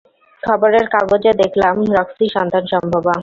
খবরের কাগজে দেখলাম রক্সি সন্তানসম্ভবা।